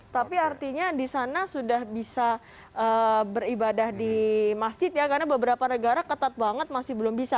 tapi artinya di sana sudah bisa beribadah di masjid ya karena beberapa negara ketat banget masih belum bisa